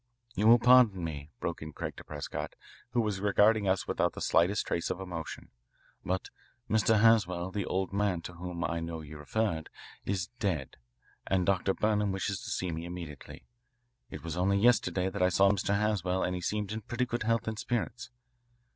"You will pardon me," broke in Craig to Prescott, who was regarding us without the slightest trace of emotion, "but Mr. Haswell, the old man to whom I know you referred, is dead, and Dr. Burnham wishes to see me immediately. It was only yesterday that I saw Mr. Haswell and he seemed in pretty good health and spirits.